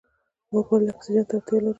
موږ ولې اکسیجن ته اړتیا لرو؟